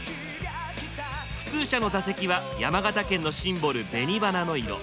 普通車の座席は山形県のシンボル・紅花の色。